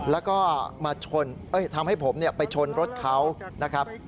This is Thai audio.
แล้วก็มาทำให้ผมไปชนรถเขานะครับ